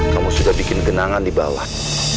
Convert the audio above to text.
kamu sudah bikin genangan di bawah